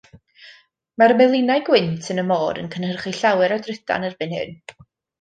Mae'r melinau gwynt yn y môr yn cynhyrchu llawer o drydan erbyn hyn.